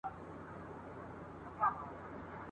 هره ورځ به په دعا یو د زړو کفن کښانو ..